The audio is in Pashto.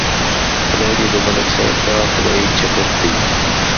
خدای دې د ملک صاحب دا خدایي چپه کړي.